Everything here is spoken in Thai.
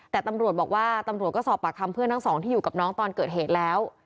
แต่ตำรวจบอกว่าตำรวจก็สอบปากคำเพื่อนทั้งสองที่อยู่กับน้องตอนเกิดเหตุแล้ว